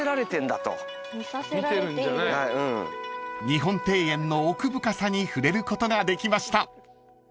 ［日本庭園の奥深さに触れることができました］